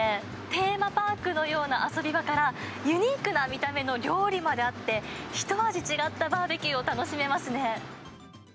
テーマパークのような遊び場から、ユニークな見た目の料理まであって、一味違ったバーベキューを楽しめますね。